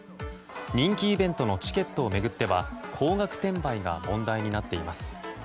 人気イベントのチケットを巡っては高額転売が問題になっています。